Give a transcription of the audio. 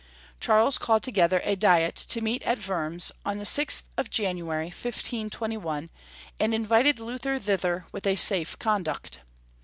Charles called together a Diet to meet at Wurms, on the 6th of January, 1521, and invited Luther thither with a safe conduct.